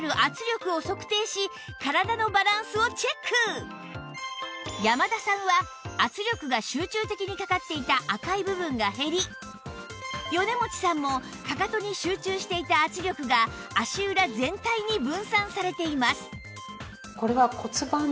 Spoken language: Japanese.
実際に山田さんは圧力が集中的にかかっていた赤い部分が減り米持さんもかかとに集中していた圧力が足裏全体に分散されています